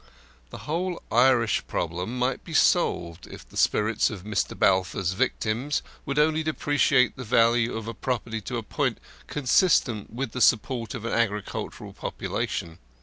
The whole Irish problem might be solved if the spirits of "Mr. Balfour's victims" would only depreciate the value of property to a point consistent with the support of an agricultural population.